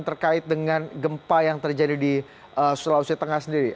terkait dengan gempa yang terjadi di sulawesi tengah sendiri